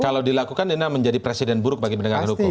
kalau dilakukan itu menjadi presiden buruk bagi pendagang hukum